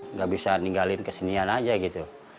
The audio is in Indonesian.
nggak bisa ninggalin kesenian aja gitu